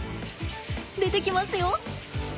出てきますよ。